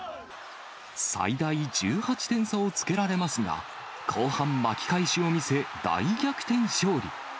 最大１８点差をつけられますが、後半、巻き返しを見せ、大逆転勝利。